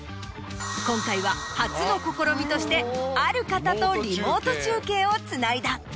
今回は初の試みとしてある方とリモート中継をつないだ。